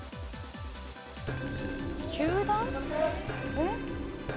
えっ？